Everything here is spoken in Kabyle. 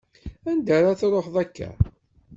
Anda ar ad tṛuḥeḍ akka?